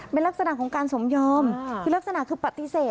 เป็นลักษณะของการสมยอมคือลักษณะคือปฏิเสธ